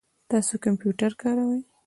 تاسو کمپیوټر کاروئ؟